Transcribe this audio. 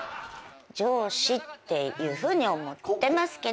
上司っていうふうに思ってますけど。